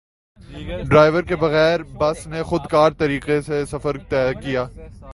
driver کے بغیر bus نے خودکار طریقے سے سفر طے کیا